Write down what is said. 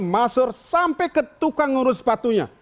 masur sampai ke tukang urus sepatunya